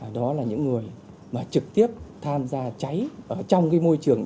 đó là những người mà trực tiếp tham gia cháy trong cái môi trường